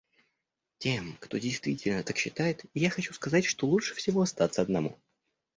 Тем, кто действительно так считает, я хочу сказать, что лучше всего остаться одному.